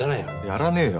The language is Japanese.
やらねえよ。